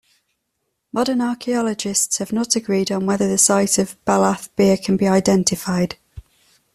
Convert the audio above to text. Modern archaeologists have not agreed on whether the site of Baalath-Beer can be identified.